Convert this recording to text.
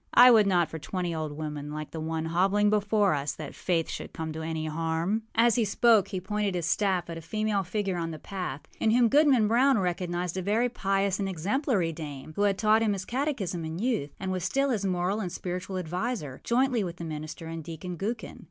I would not for twenty old women like the one hobbling before us that Faith should come to any harm.â As he spoke he pointed his staff at a female figure on the path, in whom Goodman Brown recognized a very pious and exemplary dame, who had taught him his catechism in youth, and was still his moral and spiritual adviser, jointly with the minister and Deacon Gookin.